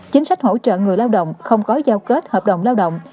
chính sách hỗ trợ người lao động không có giao kết hợp đồng lao động